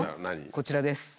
こちらです。